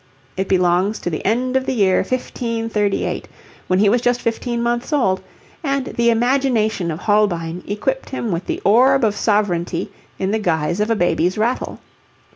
It belongs to the end of the year 1538, when he was just fifteen months old, and the imagination of Holbein equipped him with the orb of sovereignty in the guise of a baby's rattle.